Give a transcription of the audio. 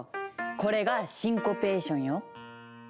これが「シンコペーション」よ。